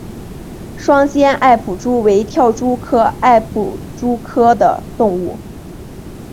双尖艾普蛛为跳蛛科艾普蛛属的动物。